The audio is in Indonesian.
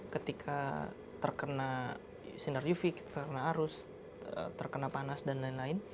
ketika terkena sinergifik terkena arus terkena panas dll